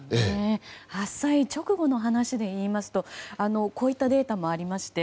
発災直後の話で言いますとこういったデータもありまして。